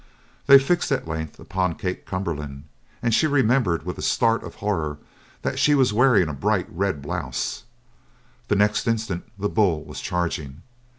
They fixed, at length, upon Kate Cumberland, and she remembered with a start of horror that she was wearing a bright red blouse. The next instant the bull was charging.